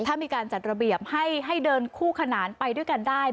ถ้ามีการจัดระเบียบให้เดินคู่ขนานไปด้วยกันได้